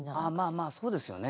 まあまあそうですよね。